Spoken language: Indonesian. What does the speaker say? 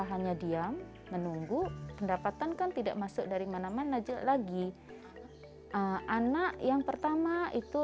hanya diam menunggu pendapatan kan tidak masuk dari mana mana lagi anak yang pertama itu